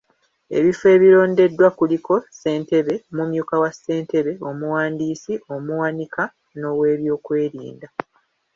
Ebifo ebirondeddwa kuliko; Ssentebe, Omumyuka wa ssentebe, Omuwandiisi, Omuwanika, n'Oweebyokwerinda.